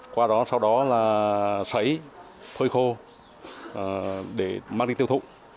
qua đó sau đó là xấy phối khô để mang đi tiêu thụ